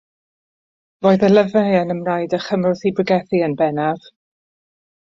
Roedd ei lyfrau yn ymwneud â chymorth i bregethu yn bennaf.